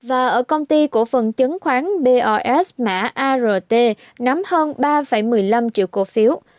và ở công ty cổ phần chứng khoán bos mã art nắm hơn ba một mươi năm triệu cổ phiếu